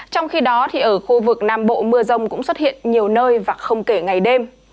trong khi đó ở khu vực nam bộ mưa rông cũng xuất hiện nhiều nơi và không kể ngày đêm